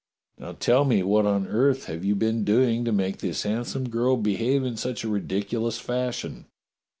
Now tell me what on earth have you been doing to make this handsome girl behave in such a ridiculous fashion?"